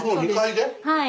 はい。